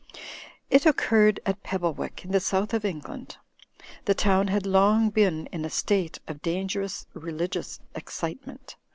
i "It occurred at Pebblewick, in the south of Eng land. The town had long been in a state of dangerous religious excitement.